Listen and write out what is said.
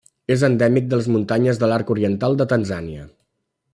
És endèmic de les muntanyes de l'Arc Oriental de Tanzània.